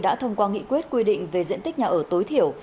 đã thông qua nghị quyết quy định về diện tích nhà ở tối thiểu